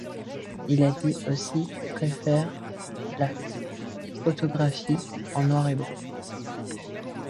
Il dit aussi préférer la photographie en noir et blanc.